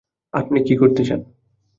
আপনি কি করতে চান?